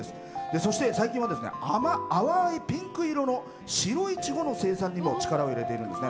そして、最近は淡いピンク色の白いちごの生産にも力を入れているんですね。